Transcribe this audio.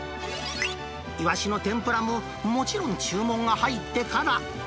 イワシの天ぷらももちろん、注文が入ってから。